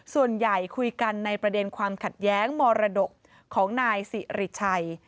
ส่วนใหญ่คุยกันในประเด็นความขัดแย้งมรดกของนายสิริชัย